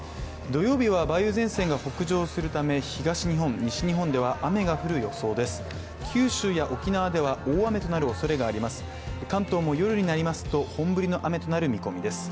土曜日は梅雨前線が北上するため、東日本、西日本では雨が降る予想です。